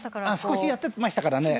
「少しやってましたからね」